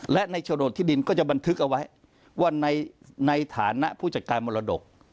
และในโฉนดที่ดินก็จะบันทึกเอาไว้ว่าในฐานะผู้จัดการมรดก